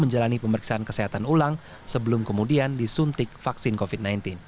menjalani pemeriksaan kesehatan ulang sebelum kemudian disuntik vaksin covid sembilan belas